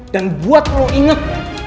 dan buat lo inget